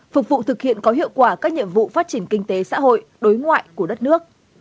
phục vụ thực hiện có hiệu quả các nhiệm vụ phát triển kinh tế xã hội đối ngoại của đất nước